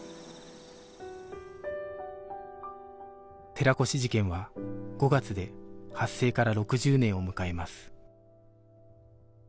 寺越事件は５月で発生から６０年を迎えます